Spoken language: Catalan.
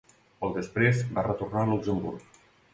Poc després, va retornar a Luxemburg.